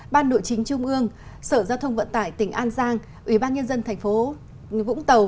ban nội chính trung ương sở giao thông vận tải tỉnh an giang ủy ban nhân dân thành phố vũng tàu